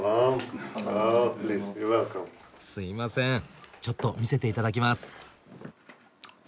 すいませんちょっと見せていただきます。